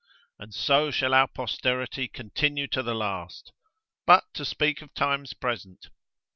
And so shall our posterity continue to the last. But to speak of times present.